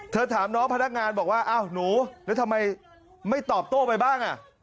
ถามน้องพนักงานบอกว่าอ้าวหนูแล้วทำไมไม่ตอบโต้ไปบ้างอ่ะ